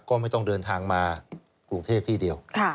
ก็ไม่ต้องเดินทางมากรุงเทพที่เดียว